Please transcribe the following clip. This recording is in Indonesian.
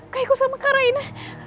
kak eko sama kak raina